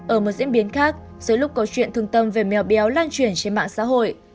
ở một diễn biến khác dưới lúc câu chuyện thương tâm về mèo béo lan truyền trên mạng xã hội